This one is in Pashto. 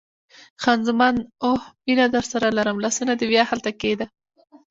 خان زمان: اوه، مینه درسره لرم، لاسونه دې بیا هلته کښېږده.